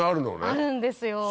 あるんですよ。